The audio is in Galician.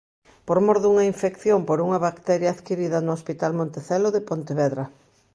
Por mor dunha infección por unha bacteria adquirida no Hospital Montecelo de Pontevedra.